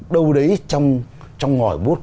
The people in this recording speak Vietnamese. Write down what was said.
đâu đấy trong ngòi bút